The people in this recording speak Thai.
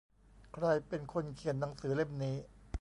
ใครเป็นคนเขียนหนังสือเล่มนี้